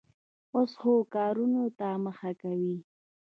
اوس ښو کارونو ته مخه کوي.